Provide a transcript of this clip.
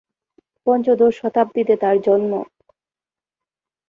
পঞ্চদশ শতাব্দীতে তাঁর জন্ম।